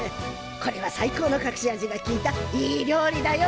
これは最高のかくし味がきいたいい料理だよ。